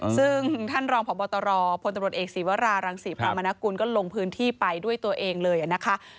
ซึ่งท่านรองพบตรพลตำรวจเอกศีวรารังศรีพระมนกุลก็ลงพื้นที่ไปด้วยตัวเองเลยนะคะ